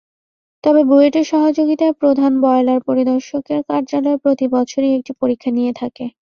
তবে, বুয়েটের সহযোগিতায় প্রধান বয়লার পরিদর্শকের কার্যালয় প্রতিবছরই একটি পরীক্ষা নিয়ে থাকে।